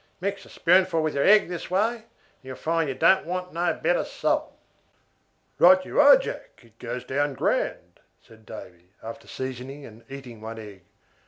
Mix a spoonful with your egg this way, and you'll find you don't want no better salt." "Right you are, Jack; it goes down grand," said Davy, after seasoning and eating one egg.